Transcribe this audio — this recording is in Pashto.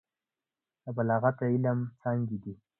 د بلاغت علم څانګې دي.